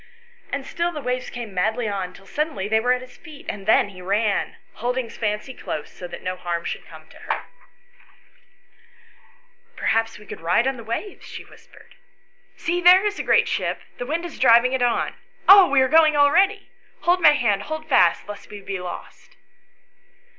And still the XL] THE STORY OF WILLIE AND FANCY. 113 waves came madly on till suddenly they were at his feet, and then he ran, holding Fancy close, so that no harm should come to her. "Perhaps we could ride on the waves," she whispered. " See, there is a great ship ; the wind is driving it on. Oh, we are going already; hold my hand ; hold fast, lest we be lost."